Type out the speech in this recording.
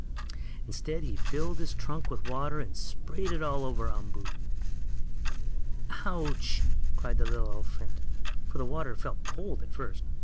Instead he filled his trunk with water and sprayed it all over Umboo. "Ouch!" cried the little elephant baby, for the water felt cold, at first.